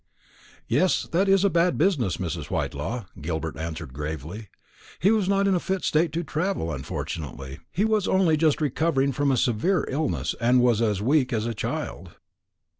"Yes, that is a bad business, Mrs. Whitelaw," Gilbert answered gravely. "He was not in a fit state to travel, unfortunately. He was only just recovering from a severe illness, and was as weak as a child."